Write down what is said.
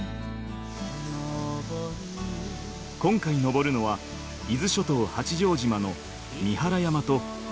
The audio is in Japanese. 今回登るのは伊豆諸島八丈島の三原山と八丈富士。